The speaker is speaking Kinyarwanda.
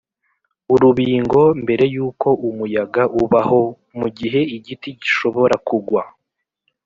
urubingo mbere yuko umuyaga ubaho, mugihe igiti gishobora kugwa